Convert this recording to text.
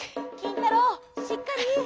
「きんたろうしっかり！」。